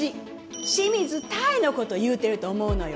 清水多恵のこと言うてると思うのよ。